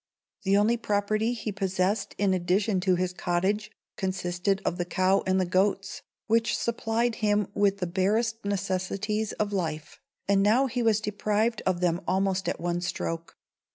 The only property he possessed in addition to his cottage consisted of the cow and the goats, which supplied him with the barest necessaries of life; and now he was deprived of them almost at one stroke.